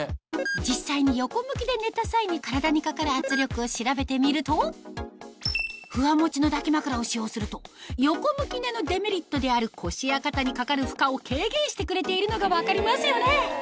実際に横向きで寝た際に体にかかる圧力を調べてみるとふわもちの抱き枕を使用すると横向き寝のデメリットである腰や肩にかかる負荷を軽減してくれているのが分かりますよね